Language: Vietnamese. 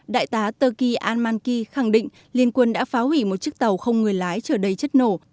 đại tá teki al manki khẳng định liên quân đã phá hủy một chiếc tàu không người lái trở đầy chất nổ